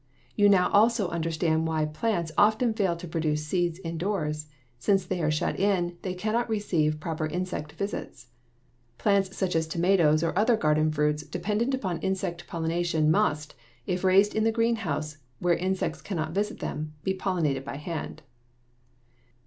You now also understand why plants often fail to produce seeds indoors. Since they are shut in, they cannot receive proper insect visits. Plants such as tomatoes or other garden fruits dependent upon insect pollination must, if raised in the greenhouse where insects cannot visit them, be pollinated by hand.